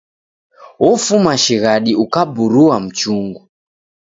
Ofuma shighadi ukaburua mchungu.